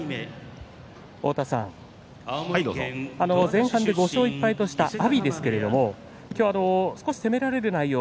前半で５勝１敗とした阿炎ですけれども今日少し攻められる内容